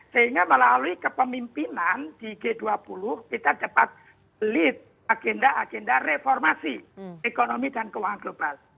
sehingga melalui kepemimpinan di g dua puluh kita cepat lead agenda agenda reformasi ekonomi dan keuangan global